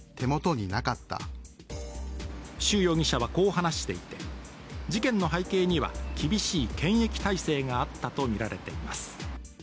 朱容疑者はこう話していて事件の背景には厳しい検疫体制があったとみられています。